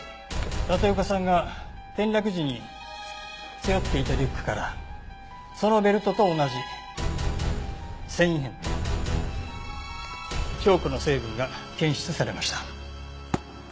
立岡さんが転落時に背負っていたリュックからそのベルトと同じ繊維片とチョークの成分が検出されました。